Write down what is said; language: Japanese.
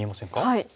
はい。